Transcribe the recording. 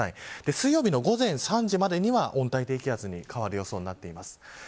水曜日の午前３時までには温帯低気圧に変わる予想になっています。